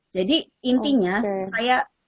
jadi intinya saya